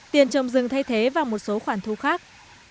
tiền trồng rừng thay thế và một số khoản thu khác